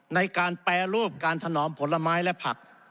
ในการแปรรูปการถนอมผลไม้และผัก